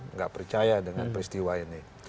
nggak percaya dengan peristiwa ini